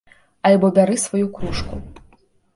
Альбо бяры сваю кружку.